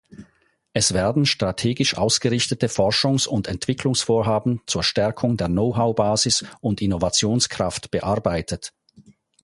Es werden strategisch ausgerichtete Forschungs- und Entwicklungsvorhaben zur Stärkung der Know-how-Basis und Innovationskraft bearbeitet.